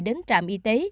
đến trạm y tế